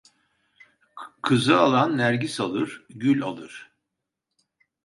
Kızı alan nergis alır gül alır.